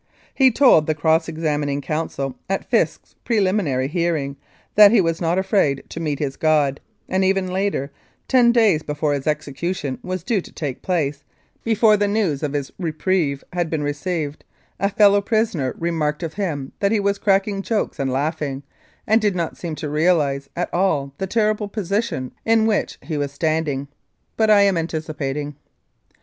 He told the cross examining counsel at Fisk's preliminary hearing that he was not afraid to meet his God, and even later, ten days before his execu tion was due to take place, before the news of his reprieve had been received, a fellow prisoner remarked of him that he was cracking jokes and laughing, and did not seem to realise at all the terrible position in which he was standing. But I am anticipating.